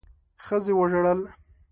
ښځې وژړل.